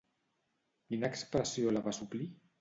Quina expressió la va suplir?